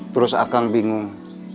terus akang bingung